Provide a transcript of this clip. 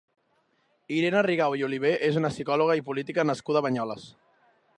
Irene Rigau i Oliver és una psicòloga i política nascuda a Banyoles.